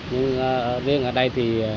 nhưng ở riêng ở đây